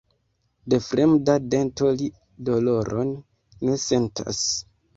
De fremda dento ni doloron ne sentas.